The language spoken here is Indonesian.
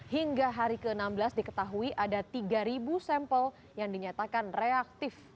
hingga hari ke enam belas diketahui ada tiga sampel yang dinyatakan reaktif